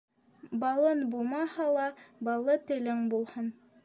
Балын булмаһа ла, баллы телең булһын.